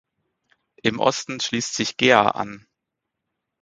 Im Osten schließt sich Gea an.